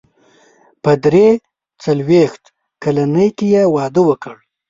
په درې څلوېښت کلنۍ کې يې واده وکړ.